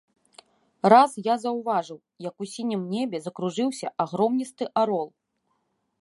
Раз я заўважыў, як у сінім небе закружыўся агромністы арол.